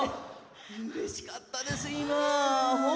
うれしかったです、今。